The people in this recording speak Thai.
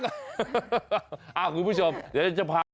ขอบคุณผู้ชมเดี๋ยวจะพา